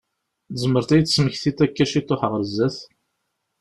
Tzemreḍ ad yi-d-tesmektiḍ akka ciṭuḥ ɣer zzat?